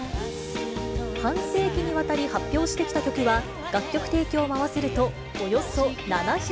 半世紀にわたり発表してきた曲は、楽曲提供も合わせるとおよそ７００曲。